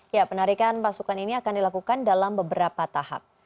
ya penarikan pasukan ini akan dilakukan dalam beberapa tahap